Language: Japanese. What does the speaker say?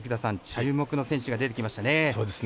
注目の選手が出てきましたね。